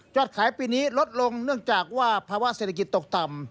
ขายปีนี้ลดลงเนื่องจากว่าภาวะเศรษฐกิจตกต่ำ